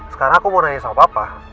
sekarang aku mau nanya sama papa